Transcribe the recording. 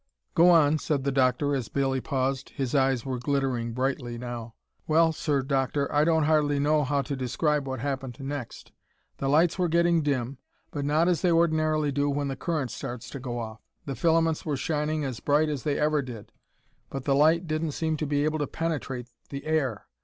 "Go on!" said the doctor as Bailley paused. His eyes were glittering brightly now. "Well, sir, Doctor, I don't hardly know how to describe what happened next. The lights were getting dim, but not as they ordinarily do when the current starts to go off. The filaments were shining as bright as they ever did, but the light didn't seem to be able to penetrate the air.